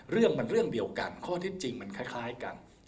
เรื่องมันเรื่องเดียวกันข้อเท็จจริงมันคล้ายกัน